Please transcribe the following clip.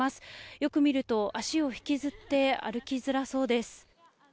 よく見ると脚を引きずって歩きづらそうです。